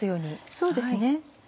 そうですね。